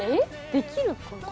できるかな？